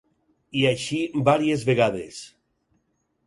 I així vàries vegades...